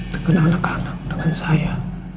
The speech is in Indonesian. terkena anak anak dengan saya